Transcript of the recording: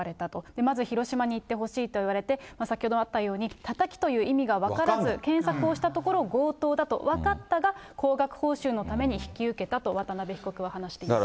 まず広島に行ってほしいと言われて、先ほどもあったように、タタキという意味が分からず検索をしたところ、強盗だと分かったが、高額報酬のために引き受けたと渡邉被告は話しています。